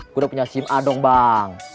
gue udah punya sim a dong bang